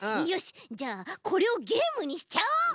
よしじゃあこれをゲームにしちゃおう！